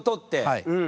はい。